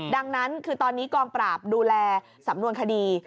ดังนั้นคือตอนนี้กองปราบดูแลสำนวนคดี